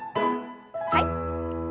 はい。